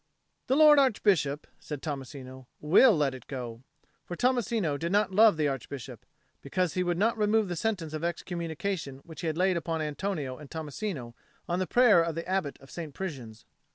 "The Lord Archbishop," said Tommasino, "will let it go." For Tommasino did not love the Archbishop, because he would not remove the sentence of excommunication which he had laid upon Antonio and Tommasino on the prayer of the Abbot of St. Prisian's.